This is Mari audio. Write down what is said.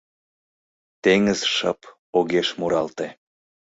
Теҥыз шып, огеш муралте